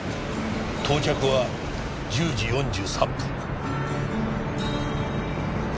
到着は１０時４３分。